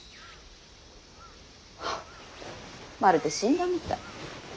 はっまるで死んだみたい。